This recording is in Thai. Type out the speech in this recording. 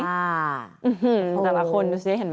แต่ละคนดูสิเห็นไหม